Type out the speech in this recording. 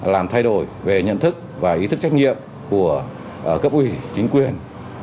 làm thay đổi về nhận thức và ý thức trách nhiệm của cấp ủy chính quyền